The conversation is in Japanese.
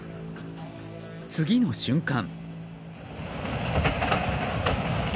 次の瞬間。